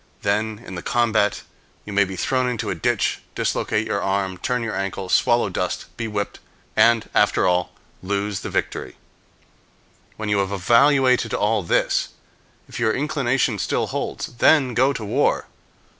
Then, in the combat, you may be thrown into a ditch, dislocate your arm, turn your ankle, swallow dust, be whipped, and, after all, lose the victory. When you have evaluated all this, if your inclination still holds, then go to war.